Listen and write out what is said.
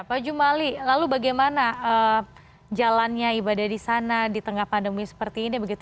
pak jumali lalu bagaimana jalannya ibadah di sana di tengah pandemi seperti ini